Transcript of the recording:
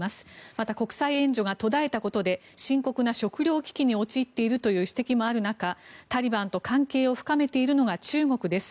また国際援助が途絶えたことで深刻な食糧危機に陥っているという指摘もある中タリバンと関係を深めているのが中国です。